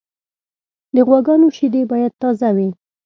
د غواګانو شیدې باید تازه وي.